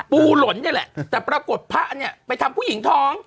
หล่นนี่แหละแต่ปรากฏพระเนี่ยไปทำผู้หญิงท้อง